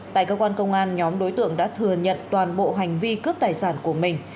tại cơ quan công an nhóm đối tượng đã thừa nhận toàn bộ hành vi cướp tài sản của mình